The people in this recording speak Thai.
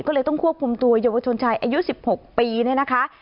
ก็เลยต้องควบคุมตัวเยาวชนชายอายุ๑๖ปีเนี่ยนะคะ